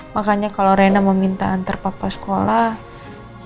makanya kalau rena meminta antar papa sekolah